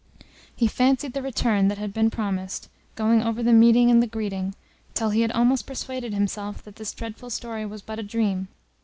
He fancied the return that had been promised, going over the meeting and the greeting, till he had almost persuaded himself that this dreadful story was but a dream.